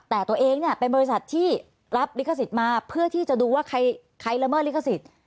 แต่ตัวเองเนี่ยเป็นบริษัทที่รับลิขสิทธิ์มาเพื่อที่จะดูว่าใครละเมิดลิขสิทธิ์